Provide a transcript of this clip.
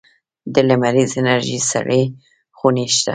د لمریزې انرژۍ سړې خونې شته؟